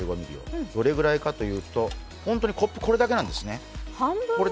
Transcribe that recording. どれくらいかというと本当にコップこれだけなんですね。